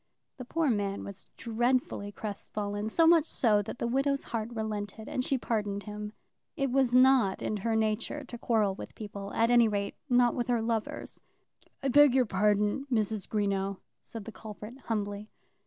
The poor man was dreadfully crestfallen, so much so that the widow's heart relented, and she pardoned him. It was not in her nature to quarrel with people; at any rate, not with her lovers. "I beg your pardon, Mrs. Greenow," said the culprit, humbly.